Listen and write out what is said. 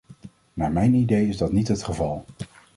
Naar mijn idee is dat niet het geval.